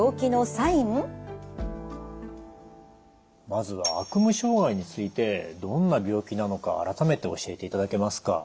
まずは悪夢障害についてどんな病気なのか改めて教えていただけますか？